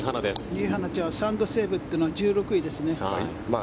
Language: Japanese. リ・ハナちゃんサンドセーブは１６位ですね。